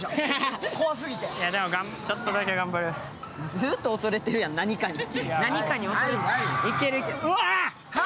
ずっと恐れてるやん、何かに。